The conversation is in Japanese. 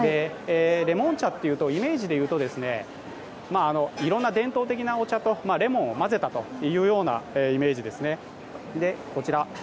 レモン茶というと、イメージで言うと、いろいろな伝統的なお茶とレモンを混ぜたというようなイメージですね。